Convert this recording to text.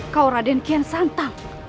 kau raden kian santang